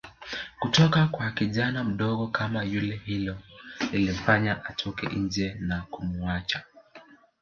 kutoka kwa kijana mdogo kama yule hilo lilimfanya atoke nje na kumuacha